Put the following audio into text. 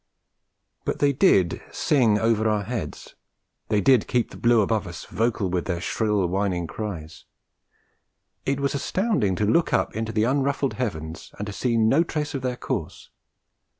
But they did sing over our heads; they did keep the blue above us vocal with their shrill, whining cries; it was astounding to look up into the unruffled heavens and see no trace of their course.